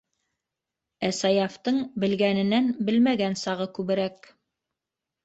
Ә Саяфтың белгәненән белмәгән сағы күберәк.